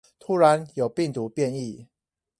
突然有病毒變異